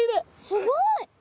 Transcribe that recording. すごい！